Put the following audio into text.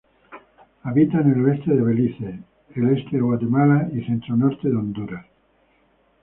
Habita en el oeste de Belice, el este de Guatemala y centro-norte de Honduras.